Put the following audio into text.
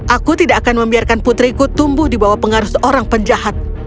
aku tidak akan membiarkan putriku tumbuh di bawah pengaruh seorang penjahat